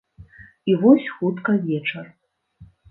І вось хутка вечар.